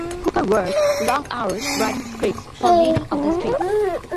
Hooper worked long hours writing scripts for many of the strips.